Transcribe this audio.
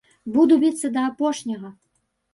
Буду біцца да апошняга!